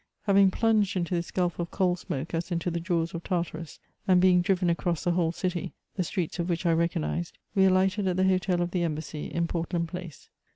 Having plunged into this gulf of coal smoke as into the jaws of Tartarus, and being driven across the whole city, the streets of which I recognised, we alighted at the hotel of the embassy, in Portland Place.